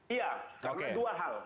iya karena dua hal